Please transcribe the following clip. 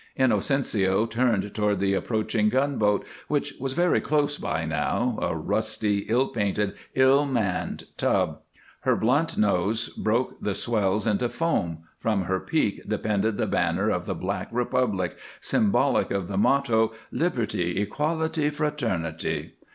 Inocencio turned toward the approaching gunboat, which was very close by now, a rusty, ill painted, ill manned tub. Her blunt nose broke the swells into foam, from her peak depended the banner of the Black Republic, symbolic of the motto, "Liberty, Equality, Fraternity."